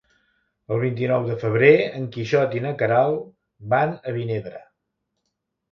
El vint-i-nou de febrer en Quixot i na Queralt van a Vinebre.